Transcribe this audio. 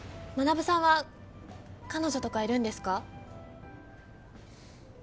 学さんは彼女とかいるんですか？